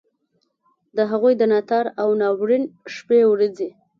د هغوی د ناتار او ناورین شپې ورځي.